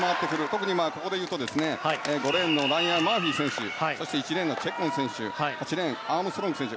特にここでいうと５レーンのライアン・マーフィー選手１レーン、チェッコン選手８レーン、アームストロング選手